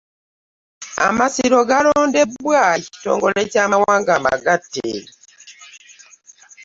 Amasiro gaalondebwa ekitongole ky'amawanga amagatte